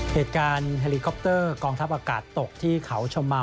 เหตุการณ์เฮลิคอปเตอร์กองทัพอากาศตกที่เขาชมมา